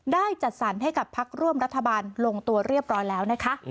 จัดสรรให้กับพักร่วมรัฐบาลลงตัวเรียบร้อยแล้วนะคะ